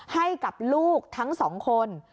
ให้กับลูกทั้งสองคน